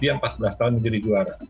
di usia empat belas tahun menjadi juara